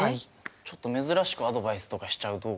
ちょっと珍しくアドバイスとかしちゃうと。